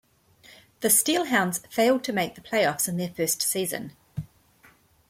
The SteelHounds failed to make the playoffs in their first season.